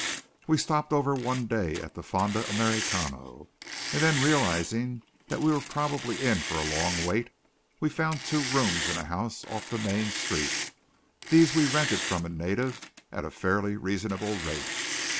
We stopped over one day at the Fonda Americano; and then realizing that we were probably in for a long wait, found two rooms in a house off the main street. These we rented from a native at a fairly reasonable rate.